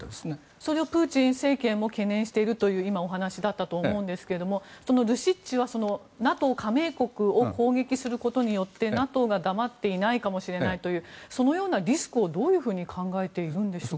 それをプーチン政権も懸念しているという今、お話だったと思いますがルシッチはＮＡＴＯ加盟国を攻撃することによってＮＡＴＯが黙っていないかもしれないというそのようなリスクをどう考えているんでしょうか。